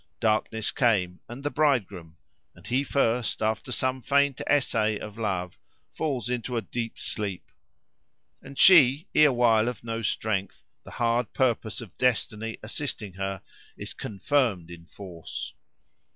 Darkness came, and the bridegroom; and he first, after some faint essay of love, falls into a deep sleep. And she, erewhile of no strength, the hard purpose of destiny assisting her, is confirmed in force.